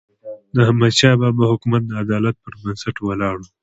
د احمدشاه بابا حکومت د عدالت پر بنسټ ولاړ و.